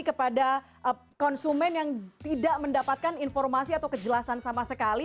kepada konsumen yang tidak mendapatkan informasi atau kejelasan sama sekali